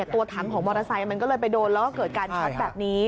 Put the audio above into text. ตัวถังของมอเตอร์ไซค์มันก็เลยไปโดนแล้วก็เกิดการช็อตแบบนี้